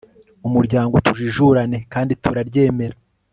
Umuryango TUJIJURANE kandi turaryemera